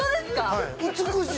はい。